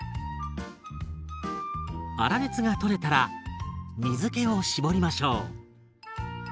粗熱が取れたら水けを絞りましょう。